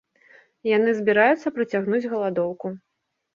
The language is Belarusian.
Яны збіраюцца працягнуць галадоўку.